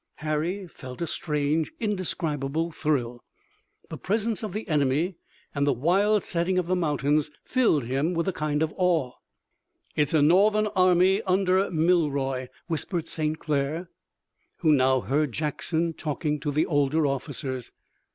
Harry felt a strange, indescribable thrill. The presence of the enemy and the wild setting of the mountains filled him with a kind of awe. "It's a Northern army under Milroy," whispered St. Clair, who now heard Jackson talking to the older officers.